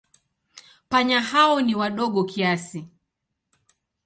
Panya hao ni wadogo kiasi.